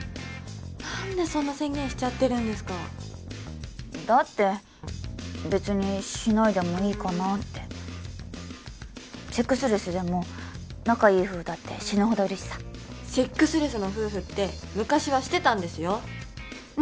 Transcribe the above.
何でそんな宣言しちゃってるんですかだって別にシないでもいいかなってセックスレスでも仲いい夫婦だって死ぬほどいるしさセックスレスの夫婦って昔はシてたんですよう